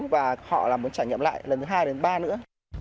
và họ là muốn trải nghiệm lại lần thứ hai đến ba nữa